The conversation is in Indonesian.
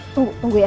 tunggu ya sayang ya